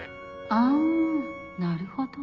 あぁなるほど。